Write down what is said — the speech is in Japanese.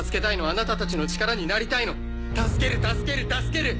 あなたたちの力になりたいの助ける助ける助ける。